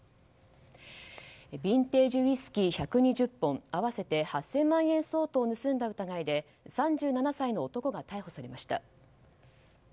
ビンテージウイスキー１２０本合わせて８０００万円相当を盗んだ疑いで３７歳の男が逮捕されました。